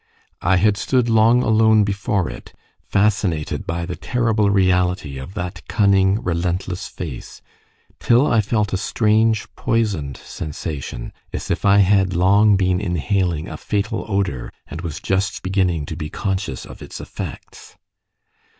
I had stood long alone before it, fascinated by the terrible reality of that cunning, relentless face, till I felt a strange poisoned sensation, as if I had long been inhaling a fatal odour, and was just beginning to be conscious of its effects.